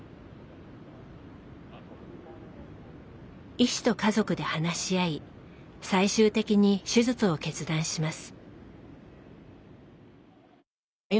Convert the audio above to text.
医師と家族で話し合い最終的に手術を決断します。